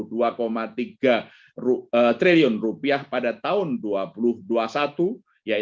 di kondisi informasi yang relations tersebut di conclusi ini